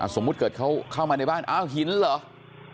สมมุติเกิดเขาเข้ามาในบ้านอ้าวหินเหรอ